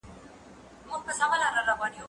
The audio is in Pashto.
نان وخوره؟!